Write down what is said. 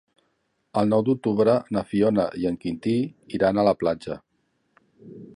El nou d'octubre na Fiona i en Quintí iran a la platja.